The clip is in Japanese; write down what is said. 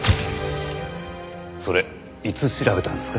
それいつ調べたんですか？